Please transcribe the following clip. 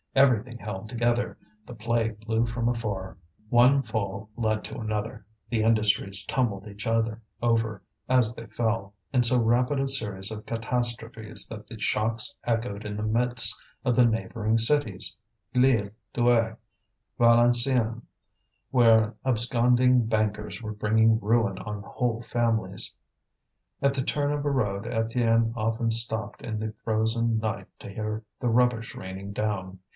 Everything held together, the plague blew from afar, one fall led to another; the industries tumbled each other over as they fell, in so rapid a series of catastrophes that the shocks echoed in the midst of the neighbouring cities, Lille, Douai, Valenciennes, where absconding bankers were bringing ruin on whole families. At the turn of a road Étienne often stopped in the frozen night to hear the rubbish raining down.